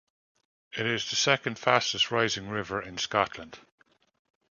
It is the second-fastest rising river in Scotland.